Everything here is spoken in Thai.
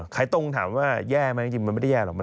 ขายตรงถามว่าแย่ไหมจริงมันไม่ได้แย่หรอก